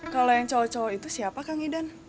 kalau yang cowok cowok itu siapa kang idan